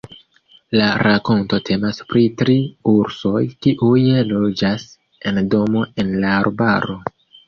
La rakonto temas pri tri ursoj kiuj loĝas en domo en la arbaro.